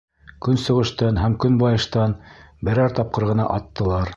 Көнсығыштан һәм көнбайыштан берәр тапҡыр ғына аттылар.